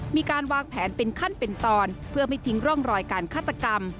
มีการวางแผนเป็นขั้นเป็นตอนเพื่อไม่ทิ้งร่องรอยการฆาตกรรม